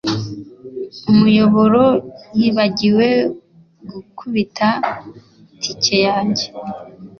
Umuyobora yibagiwe gukubita itike yanjye